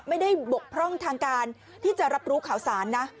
บกพร่องทางการที่จะรับรู้ข่าวสารนะ